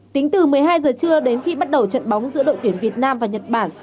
tính từ một mươi hai giờ trưa đến khi bắt đầu trận bóng giữa đội tuyển việt nam và nhật bản